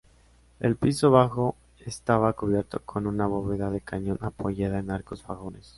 El piso bajo estaba cubierto con una bóveda de cañón apoyada en arcos fajones.